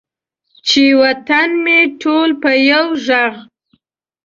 چې وطن مې ټول په یو ږغ،